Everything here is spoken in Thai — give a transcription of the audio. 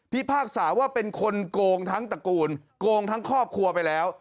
พากษาว่าเป็นคนโกงทั้งตระกูลโกงทั้งครอบครัวไปแล้ว